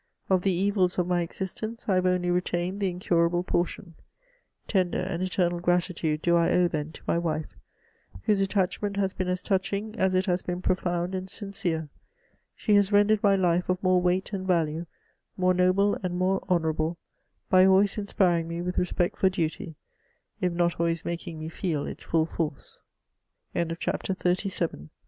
Of the evils of my existence I have only retained the incurable portion. Tender and eternal gratitude do I owe, then, to my wife, whose attachment has been as touching as it has been profound and sincere; she has rendered my life of more weight and value, more noble and more honourable, by always inspiring me with respect for duty, if not always making me feel its full force. CHATEAUBRIAND.